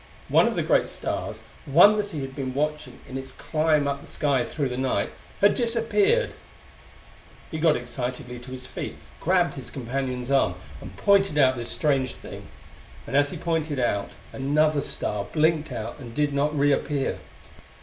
One of the great stars, one that he had been watching in its climb up the sky through the night, had disappeared! He got excitedly to his feet, grabbed his companion's arm and pointed out this strange thing and as he pointed another star blinked out and did not reappear.